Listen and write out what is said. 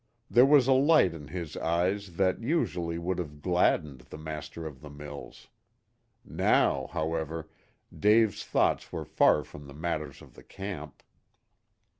There was a light in his eyes that usually would have gladdened the master of the mills. Now, however, Dave's thoughts were far from the matters of the camp.